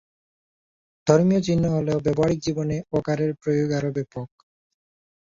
ধর্মীয় চিহ্ন হলেও ব্যবহারিক জীবনে ওঁ-কারের প্রয়োগ আরও ব্যাপক।